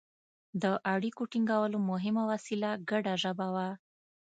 د اړیکو ټینګولو مهمه وسیله ګډه ژبه وه.